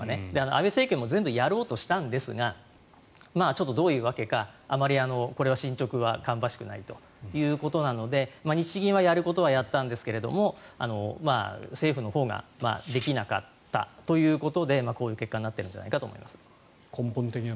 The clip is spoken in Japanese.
安倍政権も全部やろうとしたんですがちょっとどういうわけかあまり、これは進ちょくは芳しくないということなので日銀はやることはやったんですが政府のほうができなかったということでこういう結果になっているんじゃないかと思います。